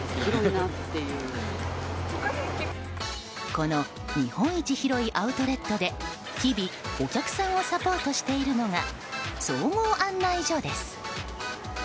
この日本一広いアウトレットで日々、お客さんをサポートしているのが総合案内所です。